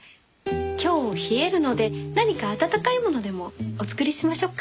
今日冷えるので何か温かいものでもお作りしましょうか？